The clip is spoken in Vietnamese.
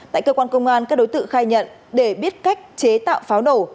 tại cơ quan công an các đối tượng khai nhận để biết cách chế tạo pháo nổ